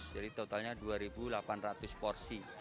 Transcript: jadi totalnya dua ribu delapan ratus porsi